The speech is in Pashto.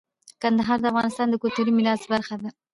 کندهار د افغانستان د کلتوري میراث برخه ده.